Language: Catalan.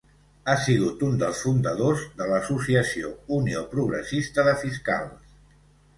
Ha sigut un dels fundadors de l'associació Unió Progressista de Fiscals.